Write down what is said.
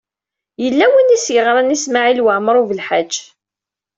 Yella win i s-yeɣṛan i Smawil Waɛmaṛ U Belḥaǧ.